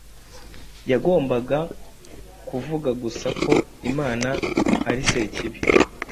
Yagombaga kuvuga gusa ko Imana ari Sekibi,